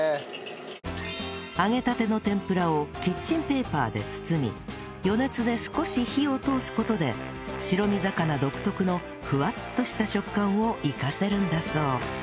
揚げたての天ぷらをキッチンペーパーで包み余熱で少し火を通す事で白身魚独特のふわっとした食感を生かせるんだそう